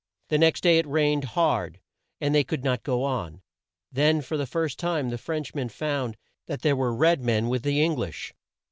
The next day it rained hard and they could not go on. Then for the first time the French man found that there were red men with the Eng lish.